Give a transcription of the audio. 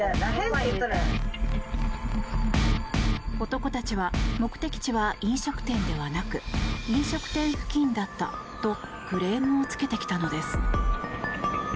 男たちは目的地は飲食店ではなく飲食店付近だったとクレームをつけてきたのです。